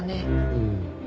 うん。